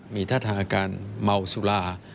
มีท่าทางอาการเมาสุรา